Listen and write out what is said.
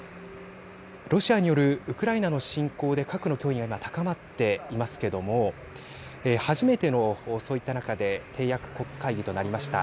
ロシアによるウクライナの侵攻で核の脅威が今高まっていますけども初めての、そういった中で締約国会議となりました。